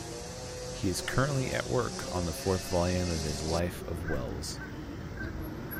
He is currently at work on the fourth volume of his life of Welles.